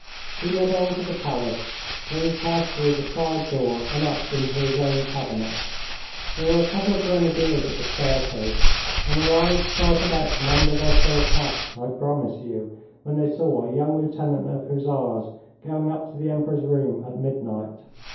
He led on to the palace, where we passed through the side door and up into his own cabinet. There were a couple of grenadiers at the staircase, and their eyes started out from under their fur caps, I promise you, when they saw a young lieutenant of hussars going up to the Emperor's room at midnight.